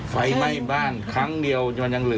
ไฟไหม้บ้านครั้งเดียวจนมันยังเหลือ